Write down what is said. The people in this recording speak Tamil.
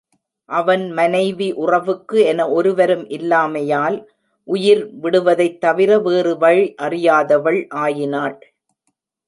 அவன் மனைவி உறவுக்கு என ஒருவரும் இல்லாமையால் உயிர் விடுவதைத் தவிர வேறு வழி அறியாதவள் ஆயினாள்.